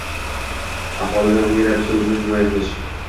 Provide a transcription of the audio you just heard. - aholini ongli ravishda o'zini himoya qilish